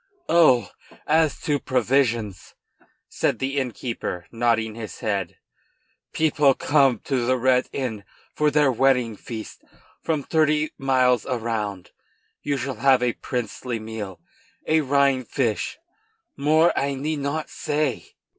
"Oh! as to provisions," said the innkeeper, nodding his head, "people come to the Red Inn for their wedding feast from thirty miles round. You shall have a princely meal, a Rhine fish! More, I need not say."